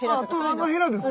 ああのヘラですか。